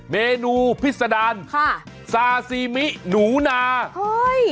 เมนูพิษดารค่ะซาซีมิหนูนาเฮ้ย